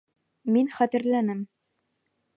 Мин хәтерләнем.